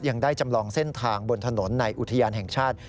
ยังได้จำลองเส้นทางบนถนนในอุทยานแห่งชาติ